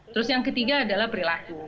terus yang ketiga adalah perilaku